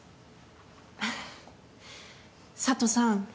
佐都さん